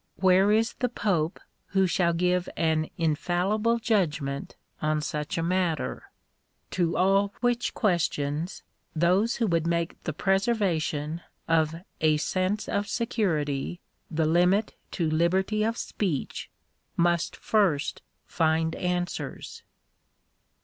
Where is the pope who shall give an infallible judgment on such a matter ? To all which questions those who would make the preservation of a "sense of security" the limit to liberty of speech, must first find answers.